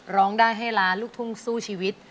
ร้องได้ให้ล้านลูกทุ่งสู้ชีวิต